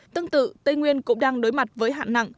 tương tự tây nguyên cũng đang đối mặt với hạn nặng